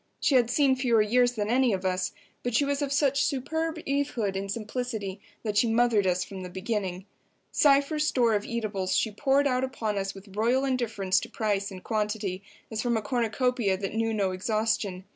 She had seen fewer years than any of us, but she was of such superb Evehood and simplicity that she mothered us from the beginning. Cypher's store of eatables she poured out upon us with royal indifference to price and quantity, as from a cornucopia that knew no exhaustion.